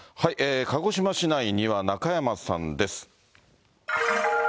鹿児島市内には、中山さんです。